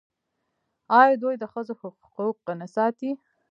آیا دوی د ښځو حقوق نه ساتي؟